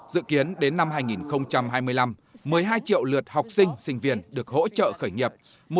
dự kiến đến năm hai nghìn hai mươi năm một mươi hai triệu lượt học sinh sinh viên được hỗ trợ khởi nghiệp